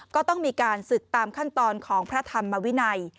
ก็ต้องมีการศึกตามขั้นตอนของพระธรรมวินัย